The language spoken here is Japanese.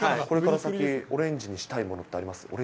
これから先、オレンジにしたいものってあります？